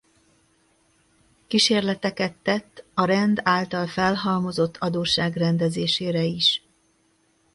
Kísérleteket tette a rend által felhalmozott adósság rendezésére is.